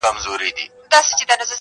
پېغلي نه نيسي د اوښو پېزوانونه٫